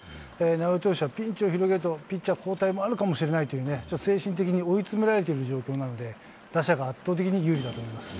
直江投手はピンチを広げると、ピッチャー交代もあるかもしれないというね、精神的に追い詰められてる状況なんで、打者が圧倒的に有利だと思